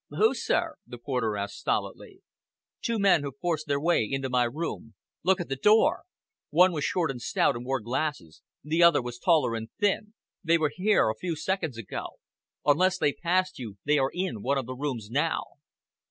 "Who, sir?" the porter asked stolidly. "Two men who forced their way into my room look at the door. One was short and stout and wore glasses, the other was taller and thin. They were here a few seconds ago. Unless they passed you, they are in one of the rooms now."